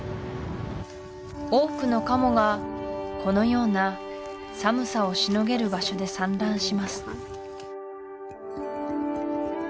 多くのカモがこのような寒さをしのげる場所で産卵します